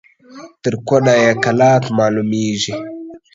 تر کونه يې کلات معلومېږي.